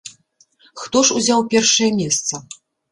Хто ж узяў першае месца?